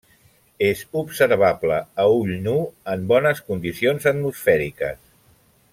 És observable a ull nu en bones condicions atmosfèriques.